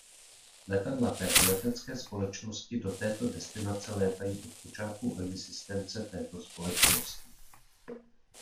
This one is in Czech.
Letadla této letecké společnosti do této destinace létají od počátků existence této společnosti.